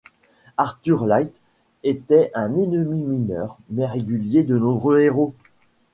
Arthur Light était un ennemi mineur mais régulier de nombreux héros.